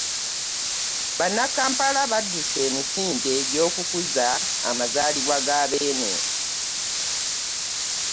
Bannakampala baddeuse emisinde gy'okukuza amazaalibwa ga Beene